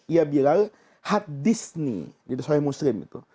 ya bilal hadis nih soalnya muslim itu